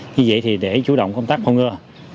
như vậy thì để chủ động công tác không ngơ